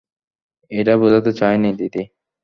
ঐটা বুঝাতে চাই নি, দিদি।